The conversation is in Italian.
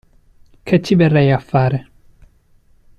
Che ci verrei a fare?